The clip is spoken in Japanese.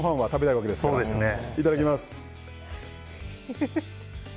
いただきます。